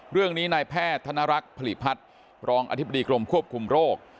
เรื่องนี้นายแพทย์ธนรักษ์ผลิตพัฒน์รองอธิบดีกรมควบคุมโรค